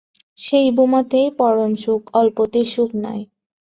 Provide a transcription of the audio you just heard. সেই ভূমাতেই পরম সুখ, অল্পে সুখ নাই।